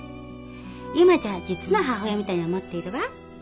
今じゃ実の母親みたいに思っているわ。